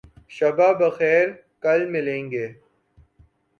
شب بخیر. کل ملیں گے